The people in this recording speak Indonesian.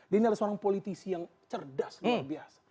dia ini adalah seorang politisi yang cerdas luar biasa